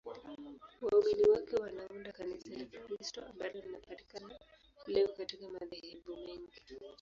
Waumini wake wanaunda Kanisa la Kikristo ambalo linapatikana leo katika madhehebu mengi.